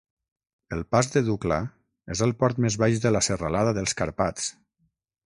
El pas de Dukla és el port més baix de la serralada dels Carpats.